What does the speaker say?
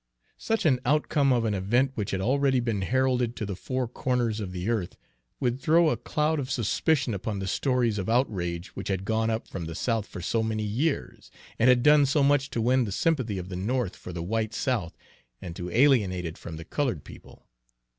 Such an outcome of an event which had already been heralded to the four corners of the earth would throw a cloud of suspicion upon the stories of outrage which had gone up from the South for so many years, and had done so much to win the sympathy of the North for the white South and to alienate it from the colored people.